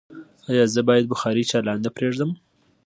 ایا زه باید بخاری چالانه پریږدم؟